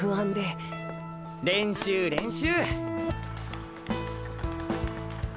練習練習！